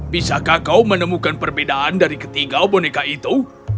bisakah kau menemukan perbedaan dari ketiga boneka itu